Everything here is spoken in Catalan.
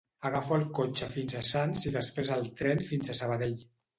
Agafo el cotxe fins a Sants i després el tren fins a Sabadell.